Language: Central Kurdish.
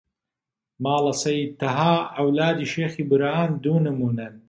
ماڵە سەید تەها، عەولادی شێخی بورهان دوو نموونەن